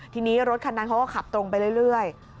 ทีนี้รถคันนั้นเขาก็ขับตรงไปเรื่อย